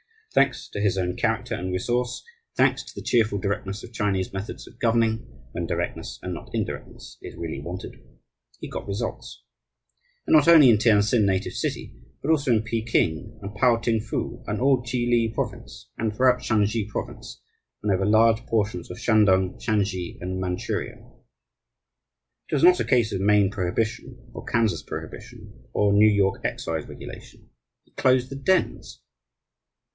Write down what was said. Thanks to his own character and resource, thanks to the cheerful directness of Chinese methods of governing (when directness and not indirectness is really wanted), he "got results." And not only in Tientsin native city, but also in Peking, and Pao ting fu, and all Chili Province, and throughout Shansi Province, and over large portions of Shantung, Shansi, and Manchuria. It was not a case of Maine prohibition, or Kansas prohibition, or New York excise regulation. He closed the dens!